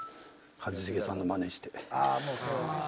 一茂さんのマネして。